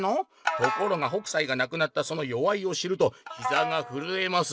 「ところが北斎が亡くなったそのよわいを知るとひざがふるえます！」。